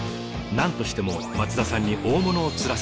何としても松田さんに大物を釣らせたい。